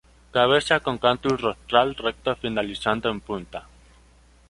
Cabezas con cantus rostral recto finalizando en punta.